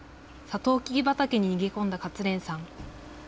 さとうきび畑に逃げ込んだ勝連さん。